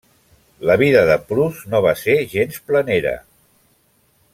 La vida de Prous no va ser gens planera.